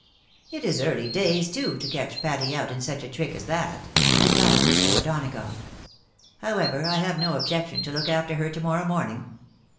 """ It is early days, too, to catch Patty out in such a trick ai that," replied Mr. O'Donagough. " However, I have no objec tion to look after her to morrow morning.